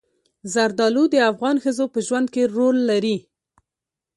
زردالو د افغان ښځو په ژوند کې رول لري.